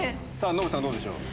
ノブさんどうでしょう？